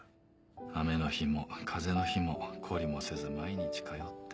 雨の日も風の日も懲りもせず毎日通って。